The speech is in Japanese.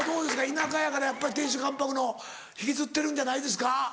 田舎やからやっぱ亭主関白の引きずってるんじゃないですか？